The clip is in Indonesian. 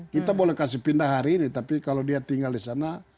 kita boleh kasih pindah hari ini tapi kalau dia tinggal di sana